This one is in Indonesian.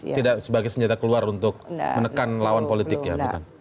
tidak sebagai senjata keluar untuk menekan lawan politik ya bukan